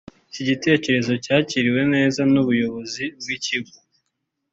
Iki gitekerezo cyakiriwe neza n’ubuyobozi bw’ikigo